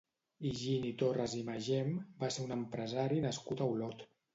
Higini Torras i Magem va ser un empresari nascut a Olot.